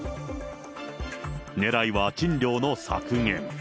ねらいは賃料の削減。